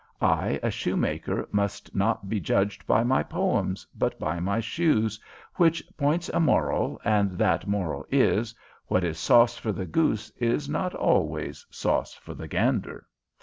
I, a shoemaker, must not be judged by my poems, but by my shoes, which points a moral, and that moral is, what is sauce for the goose is not always sauce for the gander.